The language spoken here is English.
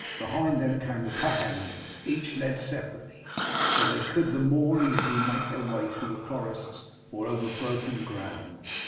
Behind them came the pack animals, each led separately, so that they could the more easily make their way through forests or over broken ground.